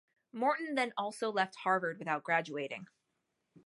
Morton then also left Harvard without graduating.